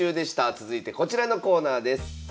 続いてこちらのコーナーです。